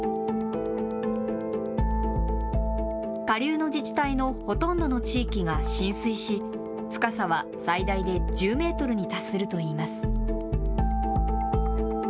下流の自治体のほとんどの地域が浸水し、深さは最大で１０メートルに達するといいます。